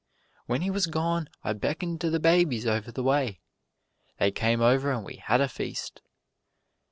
When he was gone, I beckoned to the babies over the way they came over and we had a feast.